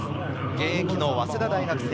現役の早稲田大学生。